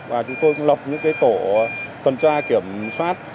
và chúng tôi cũng lọc những tổ tuần tra kiểm soát